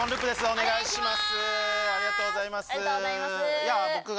お願いします